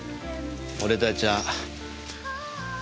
俺たちは。